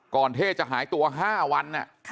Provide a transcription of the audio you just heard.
ก่อนเท่จะหายตัว๕วัน